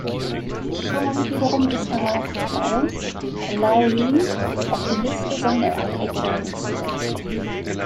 Sean wiederum ist darauf aus, Lauren auf die Liste seiner Eroberungen zu setzen.